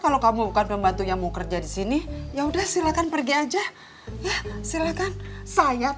kalau kamu bukan pembantu yang mau kerja di sini ya udah silakan pergi aja silakan saya